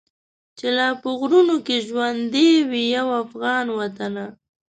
چي لا په غرونو کي ژوندی وي یو افغان وطنه.